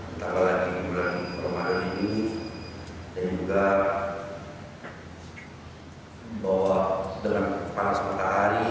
entah bahwa di bulan ramadan ini dan juga bahwa dalam panas matahari